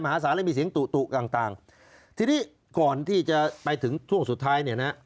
หาสารและมีเสียงตุต่างต่างทีนี้ก่อนที่จะไปถึงช่วงสุดท้ายเนี่ยนะ